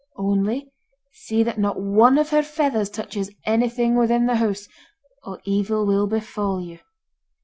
Only see that not one of her feathers touches anything within the house, or evil will befall you.